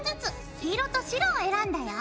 黄色と白を選んだよ。